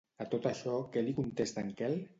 A tot això, què li contesta en Quel?